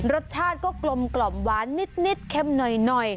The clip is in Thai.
รสชาติก็กลมหวานนิดเค็มหน่อย